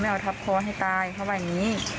ไม่เอาทับคล้อให้ตายข้อไว้อย่างนี้